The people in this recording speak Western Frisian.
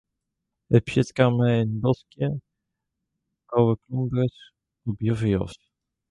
It pjut kaam mei in boskje koweblomkes op juffer ôf.